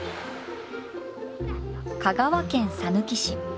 香川県さぬき市。